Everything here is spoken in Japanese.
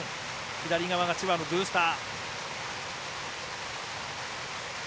左が千葉のブースター。